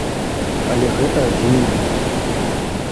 Але гэта адзіны мінус.